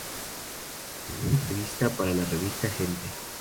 En una entrevista para la revista "Gente!